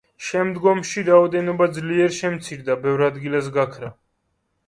შემდგომში რაოდენობა ძლიერ შემცირდა, ბევრ ადგილას გაქრა.